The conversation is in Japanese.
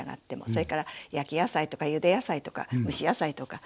それから焼き野菜とかゆで野菜とか蒸し野菜とか。